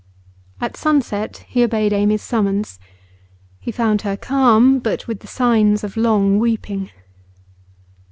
At sunset he obeyed Amy's summons. He found her calm, but with the signs of long weeping.